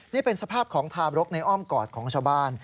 นี่เป็นสภาพของทารกในอ้อมกอดของชาวบ้าน